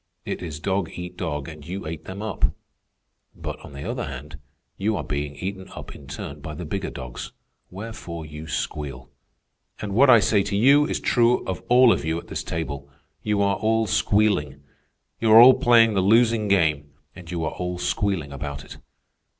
It is dog eat dog, and you ate them up. But, on the other hand, you are being eaten up in turn by the bigger dogs, wherefore you squeal. And what I say to you is true of all of you at this table. You are all squealing. You are all playing the losing game, and you are all squealing about it.